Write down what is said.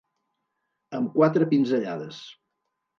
Amb quatre pinzellades.